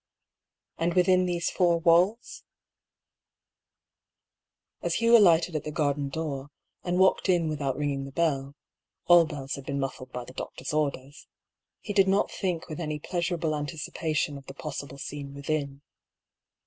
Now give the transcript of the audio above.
And within these four walls ? As Hugh alighted at the garden door, and walked in without ringing the boll (all bells had been mufSed by the doctors' orders), he did not think with any pleasurable anticipation of the possible scene within.